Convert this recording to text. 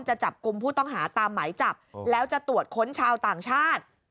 จะจับกลุ่มผู้ต้องหาตามหมายจับแล้วจะตรวจค้นชาวต่างชาติ